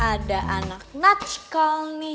ada anak natch call nih